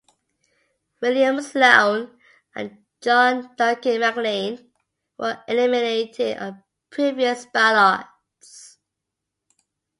William Sloan and John Duncan MacLean were eliminated on previous ballots.